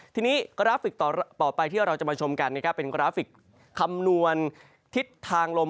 ทีนี้กราฟิกต่อไปที่เราจะมาชมกันนะครับเป็นกราฟิกคำนวณทิศทางลม